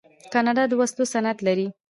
کاناډا د وسلو صنعت لري.